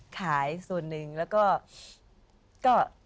ขายส่วนหนึ่งแล้วก็